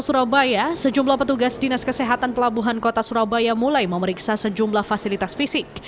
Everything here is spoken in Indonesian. di surabaya sejumlah petugas dinas kesehatan pelabuhan kota surabaya mulai memeriksa sejumlah fasilitas fisik